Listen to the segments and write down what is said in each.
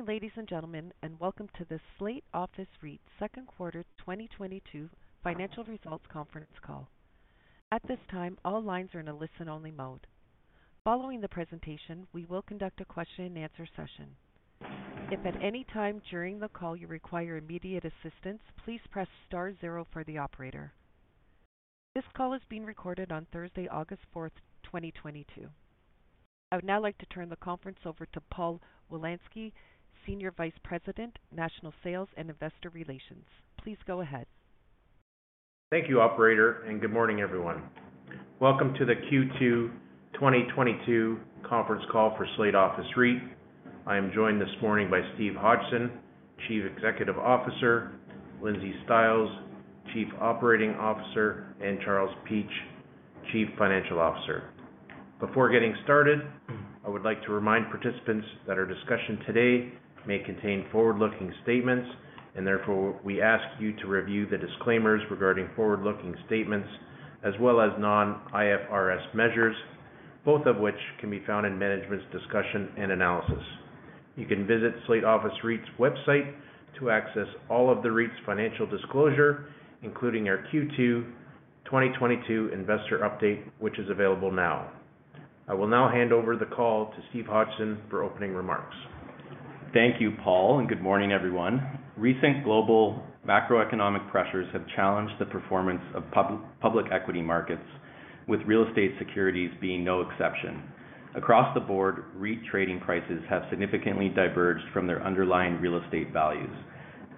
Good morning, ladies and gentlemen, and welcome to the Slate Office REIT Second Quarter 2022 Financial Results Conference Call. At this time, all lines are in a listen-only mode. Following the presentation, we will conduct a question-and-answer session. If at any time during the call you require immediate assistance, please press star zero for the operator. This call is being recorded on Thursday, August 4, 2022. I would now like to turn the conference over to Paul Wolanski, Senior Vice President, National Sales and Investor Relations. Please go ahead. Thank you, operator, and good morning, everyone. Welcome to the Q2 2022 Conference Call for Slate Office REIT. I am joined this morning by Steve Hodgson, Chief Executive Officer, Lindsay Stiles, Chief Operating Officer, and Charles Peach, Chief Financial Officer. Before getting started, I would like to remind participants that our discussion today may contain forward-looking statements, and therefore we ask you to review the disclaimers regarding forward-looking statements as well as non-IFRS measures, both of which can be found in management's discussion and analysis. You can visit Slate Office REIT's website to access all of the REIT's financial disclosure, including our Q2 2022 investor update, which is available now. I will now hand over the call to Steve Hodgson for opening remarks. Thank you, Paul, and good morning, everyone. Recent global macroeconomic pressures have challenged the performance of public equity markets, with real estate securities being no exception. Across the board, REIT trading prices have significantly diverged from their underlying real estate values.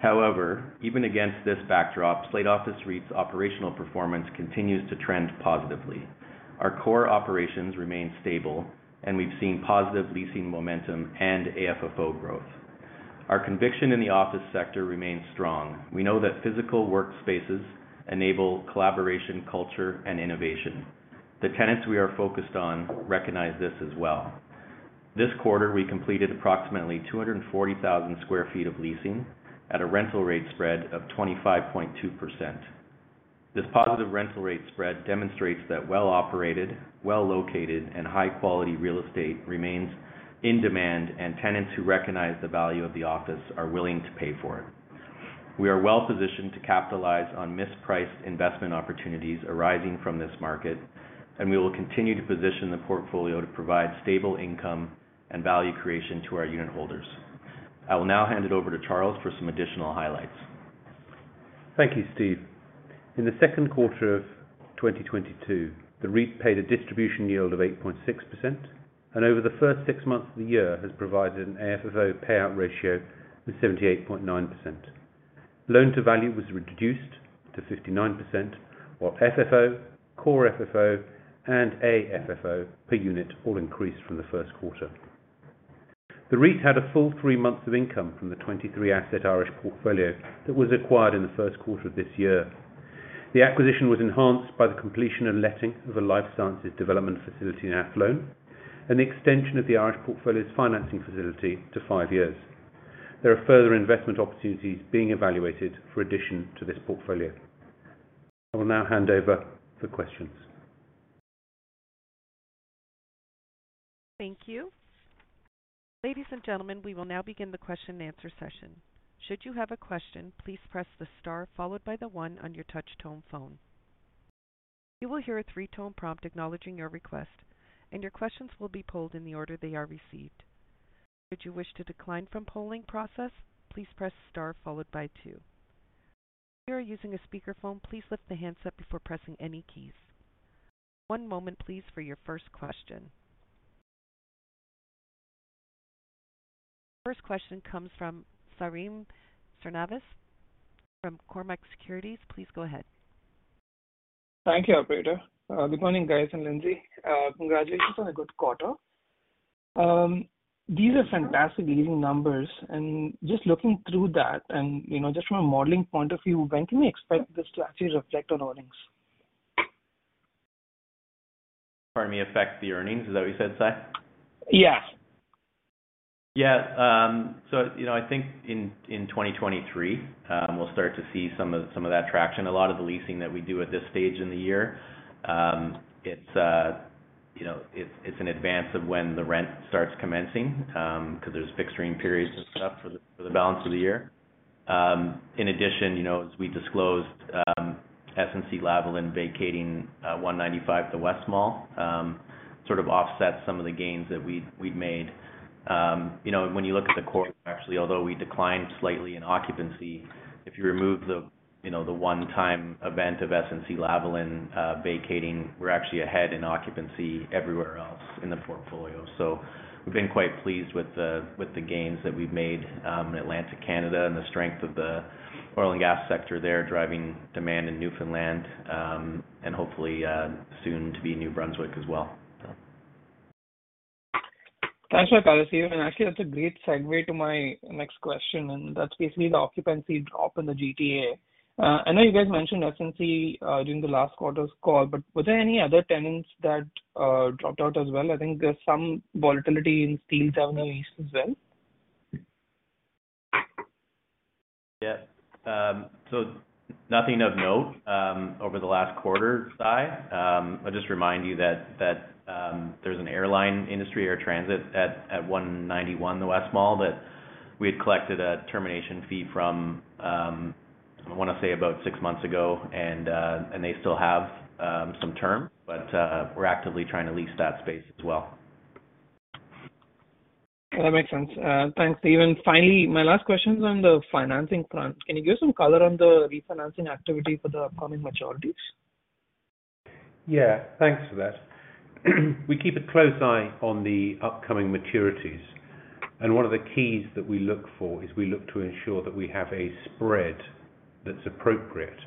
However, even against this backdrop, Slate Office REIT's operational performance continues to trend positively. Our core operations remain stable, and we've seen positive leasing momentum and AFFO growth. Our conviction in the office sector remains strong. We know that physical workspaces enable collaboration, culture, and innovation. The tenants we are focused on recognize this as well. This quarter, we completed approximately 240,000 sq ft of leasing at a rental rate spread of 25.2%. This positive rental rate spread demonstrates that well-operated, well-located, and high-quality real estate remains in demand, and tenants who recognize the value of the office are willing to pay for it. We are well-positioned to capitalize on mispriced investment opportunities arising from this market, and we will continue to position the portfolio to provide stable income and value creation to our unitholders. I will now hand it over to Charles for some additional highlights. Thank you, Steve. In the second quarter of 2022, the REIT paid a distribution yield of 8.6%, and over the first six months of the year has provided an AFFO payout ratio of 78.9%. Loan-to-value was reduced to 59%, while FFO, core FFO, and AFFO per unit all increased from the first quarter. The REIT had a full three months of income from the 23-asset Irish portfolio that was acquired in the first quarter of this year. The acquisition was enhanced by the completion and letting of a life sciences development facility in Athlone and the extension of the Irish portfolio's financing facility to five years. There are further investment opportunities being evaluated for addition to this portfolio. I will now hand over for questions. Thank you. Ladies and gentlemen, we will now begin the question and answer session. Should you have a question, please press the star followed by the one on your touch tone phone. You will hear a three-tone prompt acknowledging your request, and your questions will be polled in the order they are received. Should you wish to decline from polling process, please press star followed by two. If you are using a speakerphone, please lift the handset before pressing any keys. One moment please for your first question. First question comes from Sairam Srinivas from Cormark Securities. Please go ahead. Thank you, operator. Good morning, guys and Lindsay. Congratulations on a good quarter. These are fantastic leasing numbers. Just looking through that and just from a modeling point of view, when can we expect this to actually reflect on earnings? Pardon me, affect the earnings. Is that what you said, Sai? I think in 2023, we'll start to see some of that traction. A lot of the leasing that we do at this stage in the year it's in advance of when the rent starts commencing, because there's fixed-rent periods and stuff for the balance of the year. In addition as we disclosed, SNC-Lavalin vacating 195 the West Mall sort of offsets some of the gains that we'd made. When you look at the quarter actually, although we declined slightly in occupancy, if you remove the one-time event of SNC-Lavalin vacating, we're actually ahead in occupancy everywhere else in the portfolio. We've been quite pleased with the gains that we've made in Atlantic Canada and the strength of the oil and gas sector there driving demand in Newfoundland and hopefully soon to be New Brunswick as well. Thanks for the color, Steve. Actually that's a great segue to my next question, and that's basically the occupancy drop in the GTA. I know you guys mentioned SNC during the last quarter's call, but were there any other tenants that dropped out as well? I think there's some volatility in Steeltown East as well. So nothing of note over the last quarter, Sai. I'll just remind you that there's an airline/transit tenant at 191, the West Mall, that we had collected a termination fee from. I wanna say about six months ago. They still have some term, but we're actively trying to lease that space as well. That makes sense. Thanks, Steve. Finally, my last question is on the financing front. Can you give some color on the refinancing activity for the upcoming maturities? Thanks for that. We keep a close eye on the upcoming maturities, and one of the keys that we look for is we look to ensure that we have a spread that's appropriate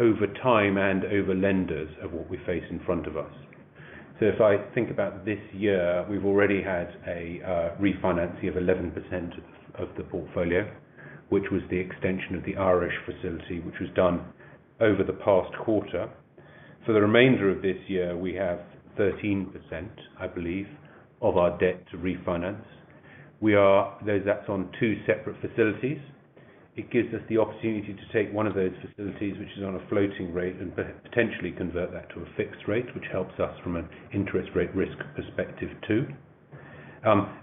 over time and over lenders of what we face in front of us. If I think about this year, we've already had a refinancing of 11% of the portfolio, which was the extension of the Irish facility, which was done over the past quarter. For the remainder of this year, we have 13%, I believe, of our debt to refinance. Though that's on two separate facilities. It gives us the opportunity to take one of those facilities, which is on a floating rate, and potentially convert that to a fixed rate, which helps us from an interest rate risk perspective too.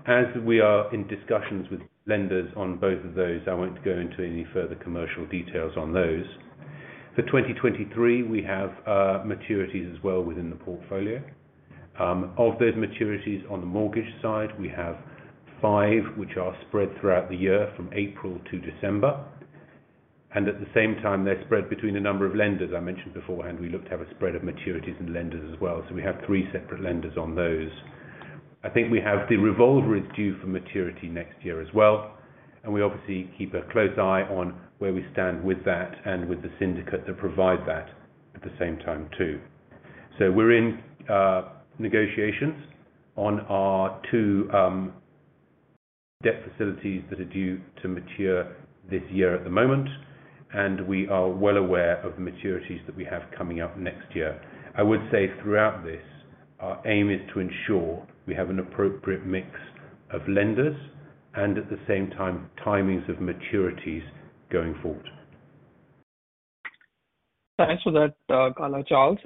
As we are in discussions with lenders on both of those, I won't go into any further commercial details on those. For 2023, we have maturities as well within the portfolio. Of those maturities on the mortgage side, we have five which are spread throughout the year from April to December, and at the same time, they're spread between a number of lenders. I mentioned beforehand, we look to have a spread of maturities and lenders as well, so we have three separate lenders on those. I think we have the revolver is due for maturity next year as well, and we obviously keep a close eye on where we stand with that and with the syndicate that provide that at the same time too. We're in negotiations on our two debt facilities that are due to mature this year at the moment, and we are well aware of the maturities that we have coming up next year. I would say throughout this, our aim is to ensure we have an appropriate mix of lenders and at the same time, timings of maturities going forward. Thanks for that, Charles.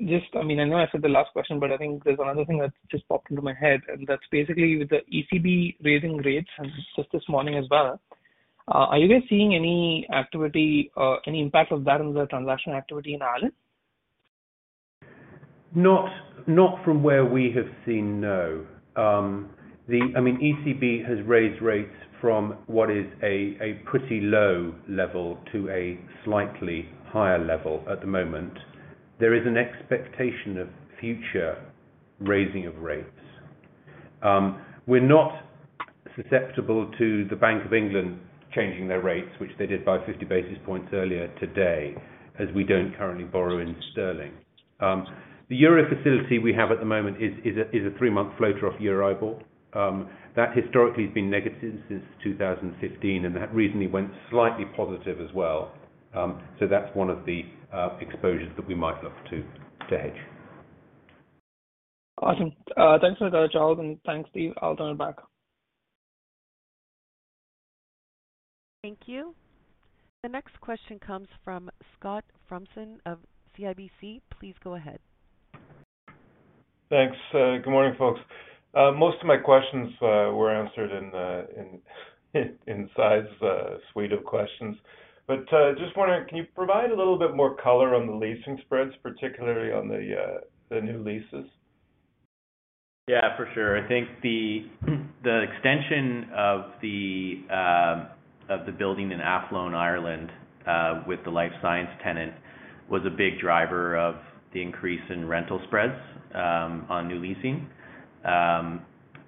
Just I know I said the last question, but I think there's another thing that just popped into my head, and that's basically with the ECB raising rates and just this morning as well. Are you guys seeing any activity or any impact of that on the transaction activity in Ireland? Not from where we have seen, no. I mean, ECB has raised rates from what is a pretty low level to a slightly higher level at the moment. There is an expectation of future raising of rates. We're not susceptible to the Bank of England changing their rates, which they did by 50 basis points earlier today, as we don't currently borrow in sterling. The Euro facility we have at the moment is a three-month floater off EURIBOR. That historically has been negative since 2015, and that recently went slightly positive as well. That's one of the exposures that we might look to hedge. Awesome. Thanks for that, Charles, and thanks, Steve. I'll turn it back. Thank you. The next question comes from Scott Fromson of CIBC. Please go ahead. Thanks. Good morning, folks. Most of my questions were answered in Sai's suite of questions. Just wondering, can you provide a little bit more color on the leasing spreads, particularly on the new leases? For sure. I think the extension of the building in Athlone, Ireland, with the life science tenant was a big driver of the increase in rental spreads on new leasing.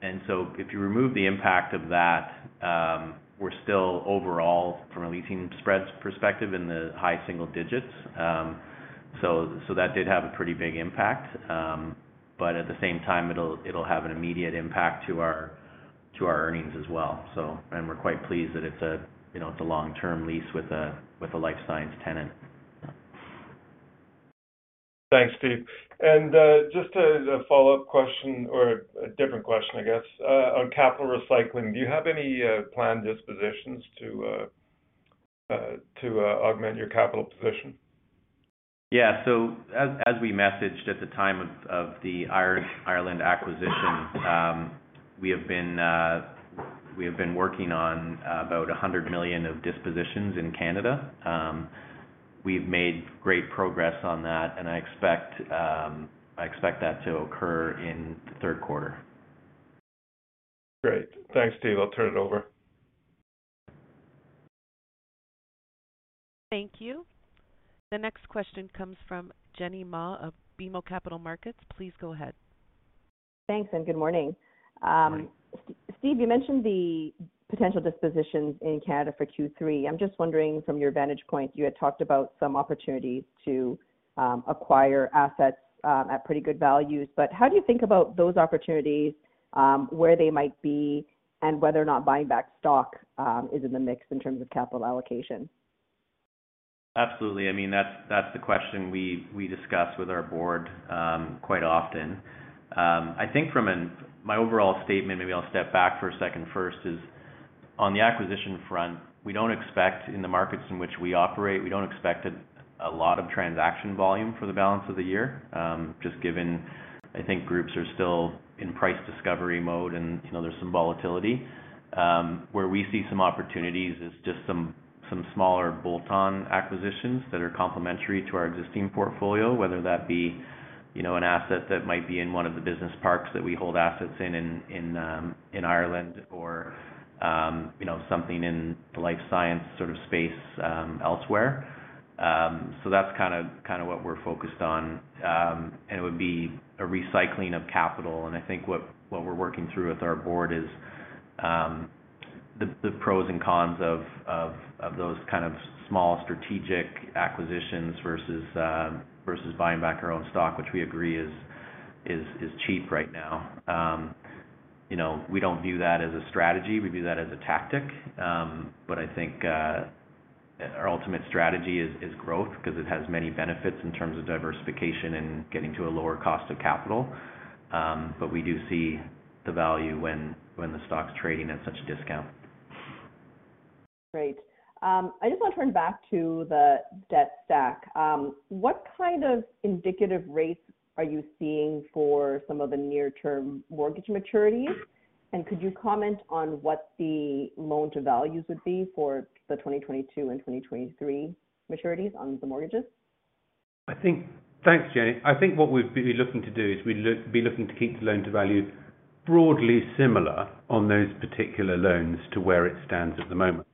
If you remove the impact of that, we're still overall from a leasing spreads perspective in the high single digits. That did have a pretty big impact. At the same time, it'll have an immediate impact to our earnings as well. We're quite pleased that it's a long-term lease with a life science tenant. Thanks, Steve. Just as a follow-up question or a different question, I guess, on capital recycling, do you have any planned dispositions to augment your capital position? As we messaged at the time of the Ireland acquisition, we have been working on 100 million of dispositions in Canada. We've made great progress on that and I expect that to occur in the third quarter. Great. Thanks, Steve. I'll turn it over. Thank you. The next question comes from Jenny Ma of BMO Capital Markets. Please go ahead. Thanks, and good morning. Morning. Steve, you mentioned the potential dispositions in Canada for Q3. I'm just wondering from your vantage point, you had talked about some opportunities to acquire assets at pretty good values. How do you think about those opportunities, where they might be and whether or not buying back stock is in the mix in terms of capital allocation? Absolutely. I mean, that's the question we discuss with our board quite often. I think from my overall statement, maybe I'll step back for a second first is on the acquisition front, we don't expect in the markets in which we operate, we don't expect a lot of transaction volume for the balance of the year, just given, I think groups are still in price discovery mode and, you know, there's some volatility. Where we see some opportunities is just some smaller bolt-on acquisitions that are complementary to our existing portfolio, whether that be, you know, an asset that might be in one of the business parks that we hold assets in in Ireland or, you know, something in the life science sort of space elsewhere. So that's kind of what we're focused on. It would be a recycling of capital. I think what we're working through with our board is the pros and cons of those kind of small strategic acquisitions versus buying back our own stock, which we agree is cheap right now. You know, we don't view that as a strategy, we view that as a tactic. I think our ultimate strategy is growth 'cause it has many benefits in terms of diversification and getting to a lower cost of capital. We do see the value when the stock's trading at such a discount. Great. I just wanna turn back to the debt stack. What kind of indicative rates are you seeing for some of the near term mortgage maturities? Could you comment on what the loan to values would be for the 2022 and 2023 maturities on the mortgages? Thanks, Jenny. I think what we'd be looking to do is be looking to keep the loan-to-value broadly similar on those particular loans to where it stands at the moment.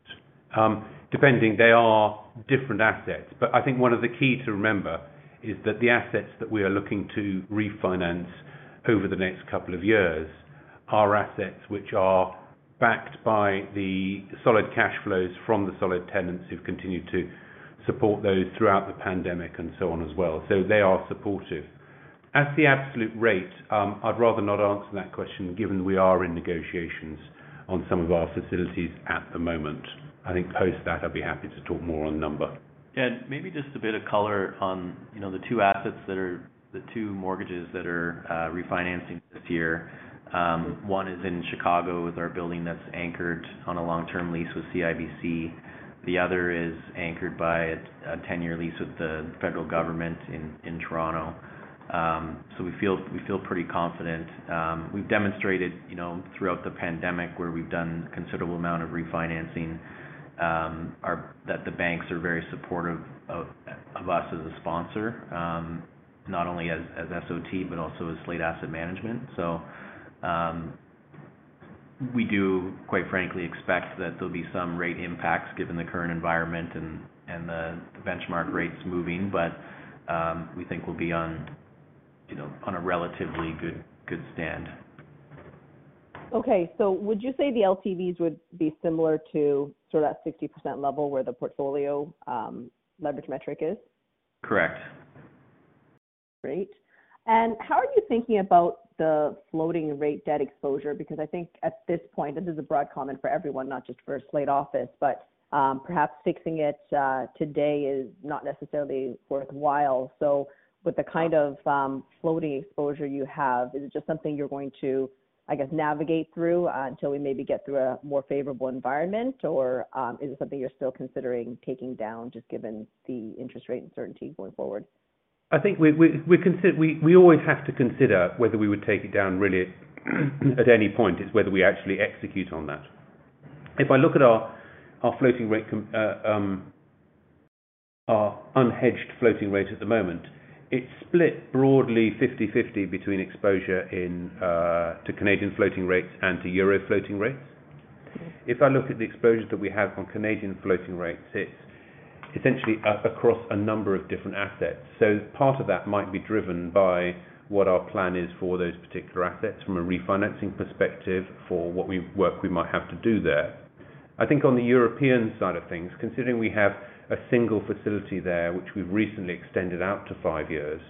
Depending, they are different assets, but I think one of the key to remember is that the assets that we are looking to refinance over the next couple of years are assets which are backed by the solid cash flows from the solid tenants who've continued to support those throughout the pandemic and so on as well. So they are supportive. As to the absolute rate, I'd rather not answer that question given we are in negotiations on some of our facilities at the moment. I think post that I'd be happy to talk more on number. Maybe just a bit of color on, you know, the two assets that are the two mortgages that are refinancing this year. One is in Chicago with our building that's anchored on a long-term lease with CIBC. The other is anchored by a 10-year lease with the federal government in Toronto. We feel pretty confident. We've demonstrated, you know, throughout the pandemic where we've done considerable amount of refinancing, that the banks are very supportive of us as a sponsor, not only as SOT, but also as Slate Asset Management. We do, quite frankly, expect that there'll be some rate impacts given the current environment and the benchmark rates moving. We think we'll be on, you know, on a relatively good stand. Okay. Would you say the LTVs would be similar to sort of that 60% level where the portfolio leverage metric is? Correct. Great. How are you thinking about the floating rate debt exposure? Because I think at this point, this is a broad comment for everyone, not just for Slate Office REIT, but perhaps fixing it today is not necessarily worthwhile. With the kind of floating exposure you have, is it just something you're going to, I guess, navigate through until we maybe get through a more favorable environment? Or is it something you're still considering taking down just given the interest rate uncertainty going forward? I think we consider we always have to consider whether we would take it down really at any point. It's whether we actually execute on that. If I look at our unhedged floating rate at the moment, it's split broadly 50/50 between exposure to Canadian floating rates and to euro floating rates. If I look at the exposures that we have on Canadian floating rates, it's essentially across a number of different assets. Part of that might be driven by what our plan is for those particular assets from a refinancing perspective for what work we might have to do there. I think on the European side of things, considering we have a single facility there, which we've recently extended out to 5 years,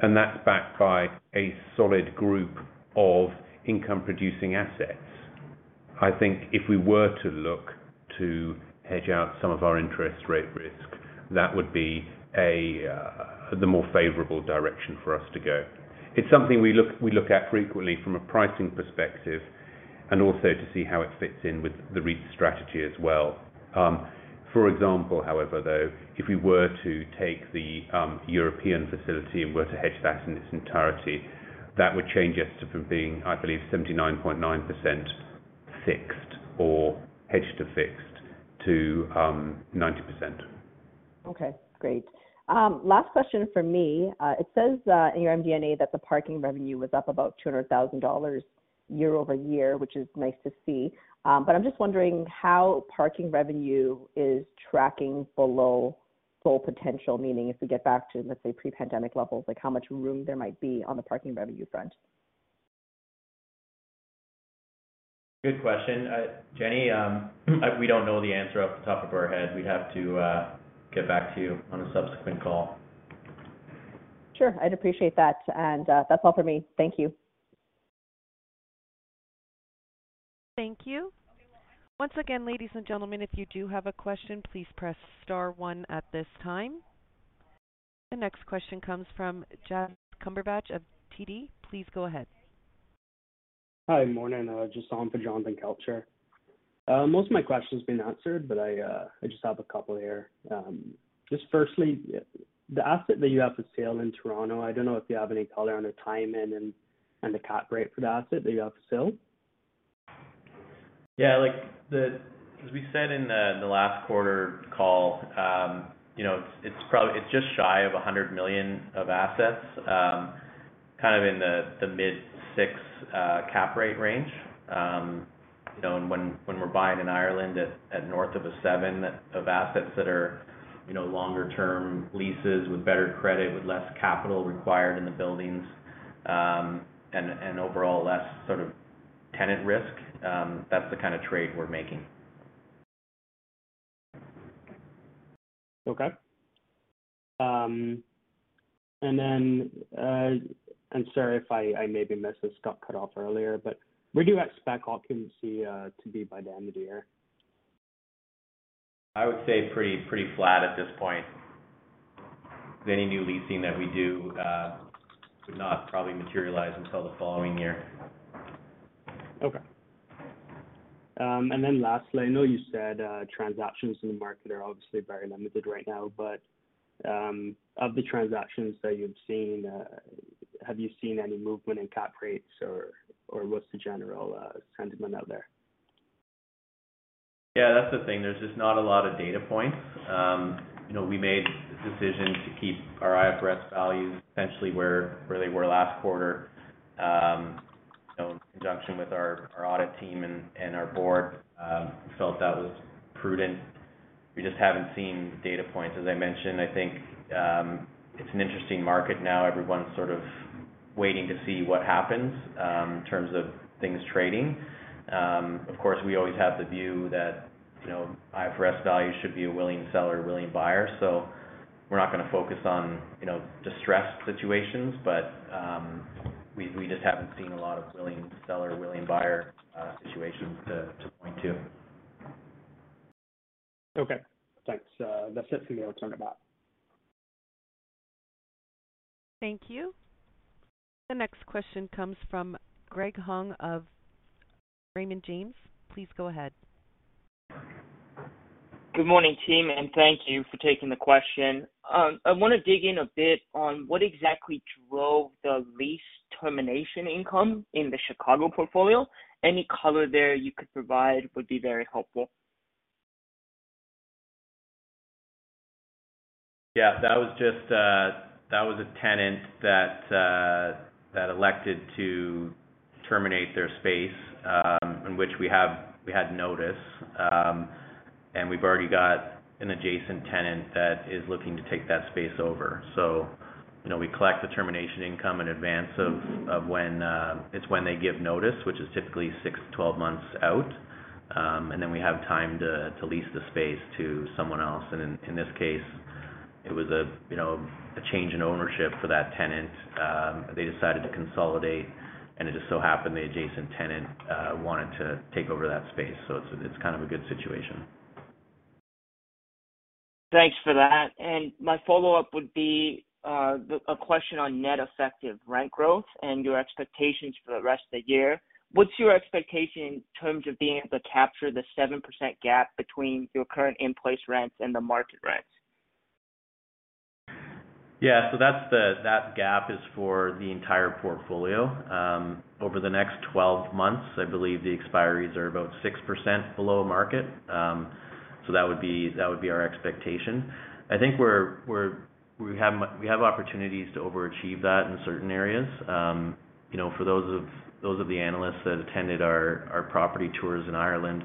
and that's backed by a solid group of income-producing assets. I think if we were to look to hedge out some of our interest rate risk, that would be the more favorable direction for us to go. It's something we look at frequently from a pricing perspective and also to see how it fits in with the REIT strategy as well. For example, however, though, if we were to take the European facility and were to hedge that in its entirety, that would change us from being, I believe, 79.9% fixed or hedged to fixed to 90%. Okay, great. Last question from me. It says, in your MD&A that the parking revenue was up about 200,000 dollars year-over-year, which is nice to see. I'm just wondering how parking revenue is tracking below full potential. Meaning if we get back to, let's say, pre-pandemic levels, like how much room there might be on the parking revenue front. Good question. Jenny, we don't know the answer off the top of our head. We'd have to get back to you on a subsequent call. Sure. I'd appreciate that. That's all for me. Thank you. Thank you. Once again, ladies and gentlemen, if you do have a question, please press star one at this time. The next question comes from Jaz Cumberbatch of TD. Please go ahead. Hi. Morning. Jaz on for Jonathan Kelcher. Most of my question has been answered, but I just have a couple here. Just firstly, the asset that you have for sale in Toronto, I don't know if you have any color on the timing and the cap rate for the asset that you have for sale. Like as we said in the last quarter call it's just shy of 100 million of assets, kind of in the mid-6% cap rate range. When we're buying in Ireland at north of 7% of assets that are longer-term leases with better credit, with less capital required in the buildings, and overall less sort of tenant risk, that's the trade we're making. Sorry if I maybe missed this, got cut off earlier, but we do expect occupancy to be by the end of the year. I would say pretty flat at this point. Any new leasing that we do would not probably materialize until the following year. Lastly, I know you said, transactions in the market are obviously very limited right now, but, of the transactions that you've seen, have you seen any movement in cap rates or what's the general sentiment out there? That's the thing. There's just not a lot of data points. We made the decision to keep our IFRS values essentially where they were last quarter. In conjunction with our audit team and our board, we felt that was prudent. We just haven't seen data points, as I mentioned. I think it's an interesting market now. Everyone's sort of waiting to see what happens in terms of things trading. Of course, we always have the view that, you know, IFRS value should be a willing seller, willing buyer, so we're not going to focus on, you know, distressed situations. We just haven't seen a lot of willing seller, willing buyer situations to point to. Okay. Thanks. That's it for me. I'll turn it back. Thank you. The next question comes from Greg Hung of Raymond James. Please go ahead. Good morning, team, and thank you for taking the question. I want to dig in a bit on what exactly drove the lease termination income in the Chicago portfolio. Any color there you could provide would be very helpful. That was just a tenant that elected to terminate their space, in which we had notice. We've already got an adjacent tenant that is looking to take that space over. You know, we collect the termination income in advance of when it's when they give notice, which is typically 6-12 months out. Then we have time to lease the space to someone else. In this case, it was a, you know, a change in ownership for that tenant. They decided to consolidate, and it just so happened the adjacent tenant wanted to take over that space. It's kind of a good situation. Thanks for that. My follow-up would be, a question on net effective rent growth and your expectations for the rest of the year. What's your expectation in terms of being able to capture the 7% gap between your current in-place rents and the market rents? That gap is for the entire portfolio. Over the next 12 months, I believe the expiries are about 6% below market. That would be our expectation. I think we have opportunities to overachieve that in certain areas. For those of the analysts that attended our property tours in Ireland,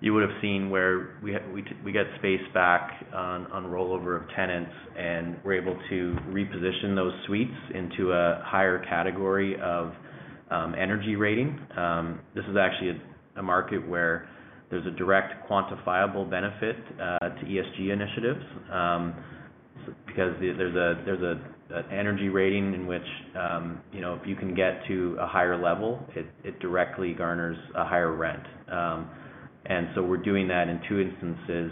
you would have seen where we get space back on rollover of tenants, and we're able to reposition those suites into a higher category of energy rating. This is actually a market where there's a direct quantifiable benefit to ESG initiatives, because there's an energy rating in which if you can get to a higher level, it directly garners a higher rent. We're doing that in two instances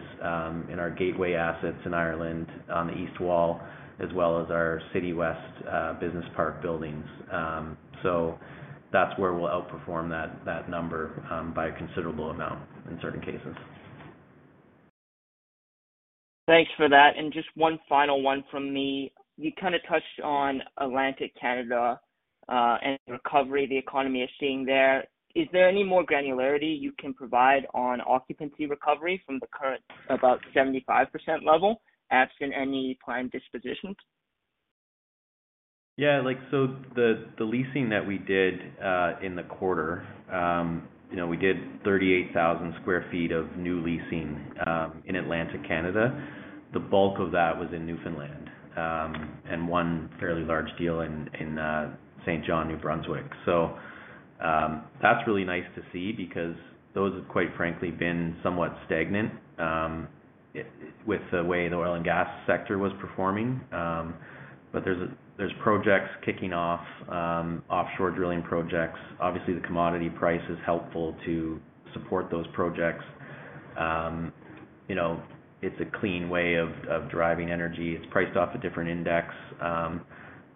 in our Gateway assets in Ireland on the East Wall, as well as our Citywest Business Park buildings. That's where we'll outperform that number by a considerable amount in certain cases. Thanks for that. Just one final one from me. You touched on Atlantic Canada, and the recovery the economy is seeing there. Is there any more granularity you can provide on occupancy recovery from the current about 75% level, absent any planned dispositions? Yeah. Like, the leasing that we did in the quarter, you know, we did 38,000 sq ft of new leasing in Atlantic Canada. The bulk of that was in Newfoundland, and one fairly large deal in Saint John, New Brunswick. That's really nice to see because those have, quite frankly, been somewhat stagnant with the way the oil and gas sector was performing. But there's projects kicking off, offshore drilling projects. Obviously, the commodity price is helpful to support those projects. You know, it's a clean way of driving energy. It's priced off a different index.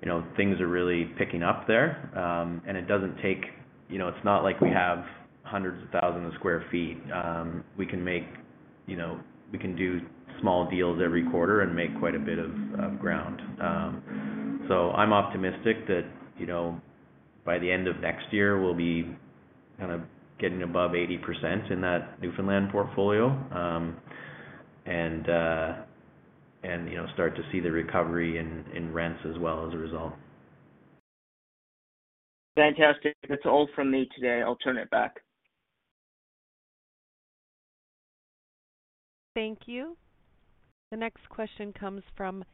You know, things are really picking up there. It doesn't take, you know, it's not like we have hundreds of thousands of square feet. We can make, you know, we can do small deals every quarter and make quite a bit of ground. I'm optimistic that, you know, by the end of next year, we'll be kind of getting above 80% in that Newfoundland portfolio and you know start to see the recovery in rents as well as a result. Fantastic. That's all from me today. I'll turn it back. Thank you. The next question comes from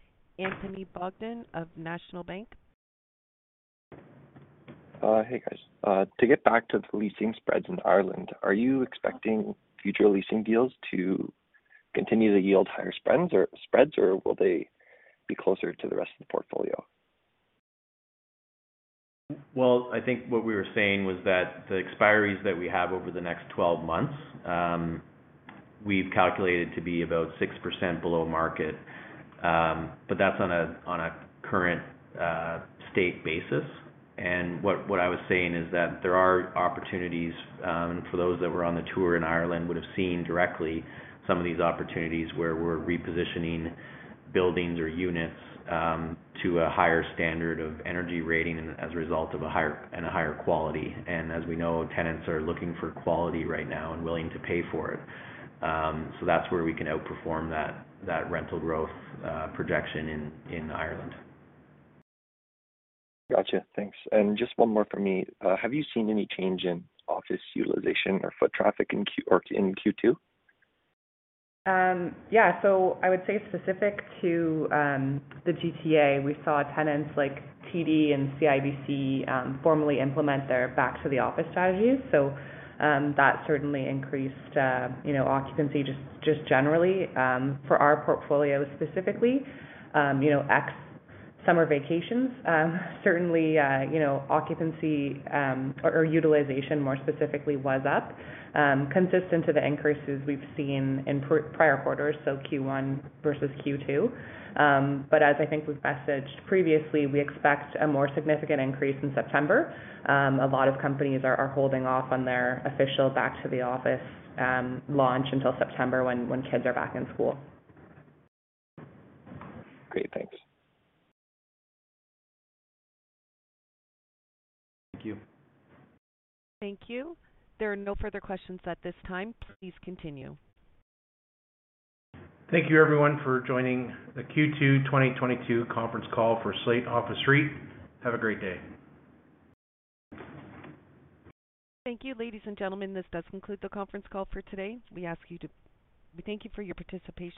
Anthony Bogdan of National Bank. Hey, guys. To get back to the leasing spreads in Ireland, are you expecting future leasing deals to continue to yield higher spreads, or will they be closer to the rest of the portfolio? Well, I think what we were saying was that the expiries that we have over the next 12 months, we've calculated to be about 6% below market, but that's on a current state basis. What I was saying is that there are opportunities for those that were on the tour in Ireland would have seen directly some of these opportunities where we're repositioning buildings or units to a higher standard of energy rating and as a result of a higher quality. As we know, tenants are looking for quality right now and willing to pay for it. That's where we can outperform that rental growth projection in Ireland. Gotcha. Thanks. Just one more from me. Have you seen any change in office utilization or foot traffic in Q2? I would say specific to the GTA, we saw tenants like TD and CIBC formally implement their back-to-the-office strategies. That certainly increased, you know, occupancy just generally. For our portfolio specifically, you know, ex summer vacations, certainly, you know, occupancy or utilization more specifically was up, consistent to the increases we've seen in prior quarters, so Q1 versus Q2. As I think we've messaged previously, we expect a more significant increase in September. A lot of companies are holding off on their official back-to-the-office launch until September when kids are back in school. Great. Thanks. Thank you. Thank you. There are no further questions at this time. Please continue. Thank you everyone for joining the Q2 2022 Conference Call for Slate Office REIT. Have a great day. Thank you, ladies and gentlemen, this does conclude the conference call for today. We thank you for your participation.